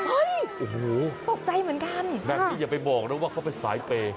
โอ้โหโต๊ะใจเหมือนกันแหละนี่อย่าไปบอกน่ะว่าเขาไปสายเปย์